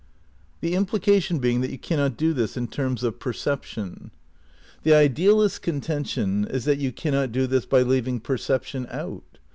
The implication being that you cannot do this in terms of perception. The idealist's contention is that you cannot do this by leaving perception out.